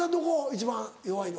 一番弱いの。